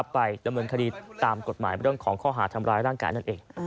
ไปดำเนินคดีตามกฎหมายเรื่องของข้อหาทำร้ายร่างกายนั่นเอง